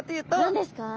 何ですか？